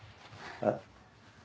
あっ！